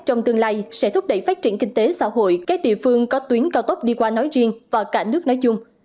trong tương lai sẽ thúc đẩy phát triển kinh tế xã hội các địa phương có tuyến cao tốc đi qua nói riêng và cả nước nói chung